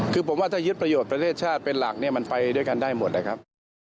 คือผมว่าถ้ายึดประโยชน์ประเทศชาติเป็นหลักเนี่ยมันไปด้วยกันได้หมดนะครับ